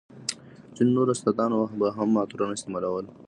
ځينو نورو استادانو به هم عطرونه استعمالول.